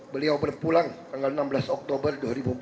beliau berpulang tanggal enam belas oktober dua ribu empat belas